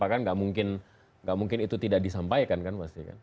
tidak mungkin itu tidak disampaikan